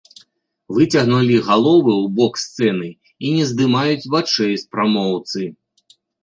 Выцягнулі галовы ў бок сцэны і не здымаюць вачэй з прамоўцы.